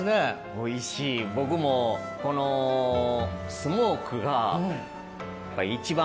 おいしい僕もこのスモークが一番。